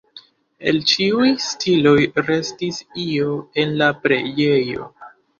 El ĉiuj stiloj restis io en la preĝejo.